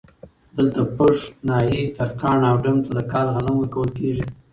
دلته پش ، نايي ، ترکاڼ او ډم ته د کال غنم ورکول کېږي